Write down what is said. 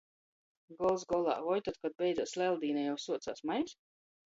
Gols golā – voi tod, kod beidzās Leldīne, jau suocās majs?